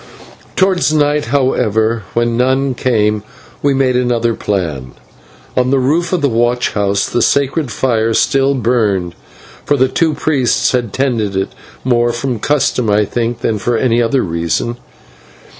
Towards night, however, when none came, we made another plan. On the roof of the watch house the sacred fire still burned, for the two priests had tended it, more from custom, I think, than for any other reason.